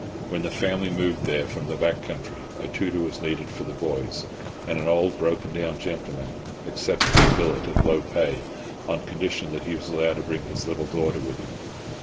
When the family moved there from the back country a tutor was needed for the boys, and an old broken down gentleman accepted the billet at low pay, on condition that he was allowed to bring his little daughter with him.